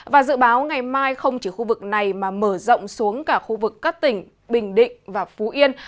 và dự báo ngày mai không chỉ khu vực này mà mở rộng xuống cả khu vực các tỉnh bình định và phú yên